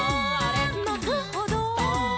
「まくほど」「」